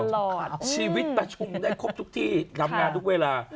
มอเตอร์ไซค์ตลอดชีวิตประชุมได้ครบทุกที่ทำงานทุกเวลา